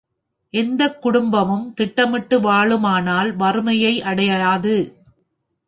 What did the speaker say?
எந்தக் குடும்பமும் திட்டமிட்டு வாழுமானால் வறுமையை அடையாது.